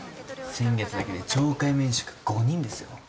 先月だけで懲戒免職５人ですよ。